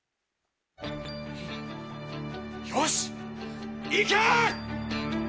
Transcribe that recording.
よし行け！